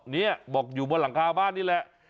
นี่บอกอยู่บนหลังคาบ้านนี่แหละ